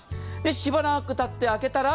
しばらくたって開けたら。